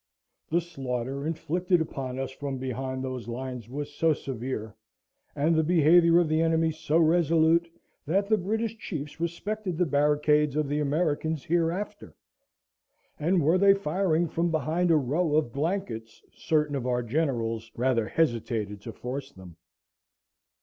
The slaughter inflicted upon us from behind those lines was so severe, and the behaviour of the enemy so resolute, that the British chiefs respected the barricades of the Americans hereafter; and were they firing from behind a row of blankets, certain of our generals rather hesitated to force them.